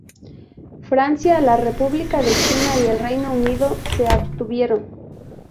Francia, la República de China y el Reino Unido se abstuvieron.